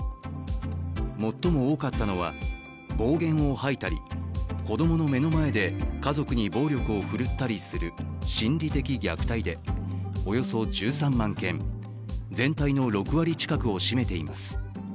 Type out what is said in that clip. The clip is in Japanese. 最も多かったのは、暴言を吐いたり子供の目の前で家族に暴力を振るったりする心理的虐待でおよそ１３万件、全体の６割近くを占めています。